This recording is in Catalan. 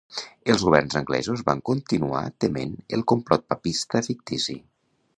Els governs anglesos van continuar tement el complot papista fictici.